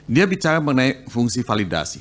dia bicara mengenai fungsi validasi